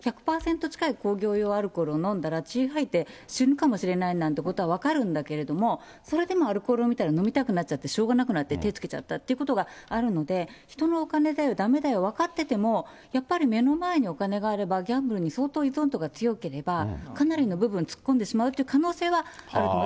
１００％近い工業用アルコールを飲んだら、血吐いて死ぬかもしれないなんてことは分かるんだけれども、それでもアルコールを見たら飲みたくなっちゃって、しょうがなくなって、手をつけちゃったということがあるので、人のお金でだめだよって分かってても、やっぱり目の前にお金があれば、ギャンブルに相当、依存度が強ければ、かなりの部分、突っ込んでしまうという可能性はあるかも。